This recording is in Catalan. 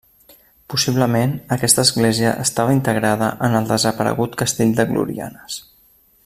Possiblement aquesta església estava integrada en el desaparegut Castell de Glorianes.